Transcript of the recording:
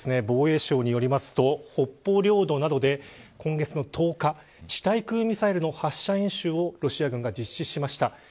防衛省によると北方領土などで今月の１０日地対空ミサイルの発射演習をロシア軍が実施しました。